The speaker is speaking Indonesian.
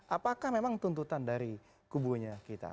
apakah memang tuntutan dari kubunya kita